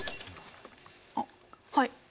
あっはい。